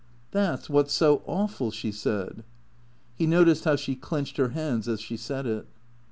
" That 's what 's so awful," she said. He noticed how she clenched her hands as she said it.